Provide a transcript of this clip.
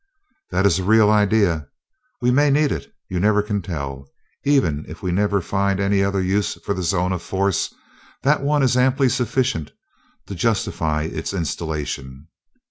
"That is a real idea. We may need it you never can tell. Even if we never find any other use for the zone of force, that one is amply sufficient to justify its installation."